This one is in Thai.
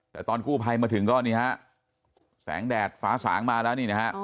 แต่ตอนกู้ภัยมาถึงก็นี่ฮะแสงแดดฟ้าสางมาแล้วนี่นะฮะ